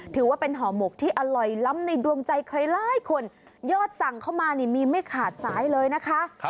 ถือว่าเป็นห่อหมกที่อร่อยล้ำในดวงใจใครหลายคนยอดสั่งเข้ามานี่มีไม่ขาดสายเลยนะคะ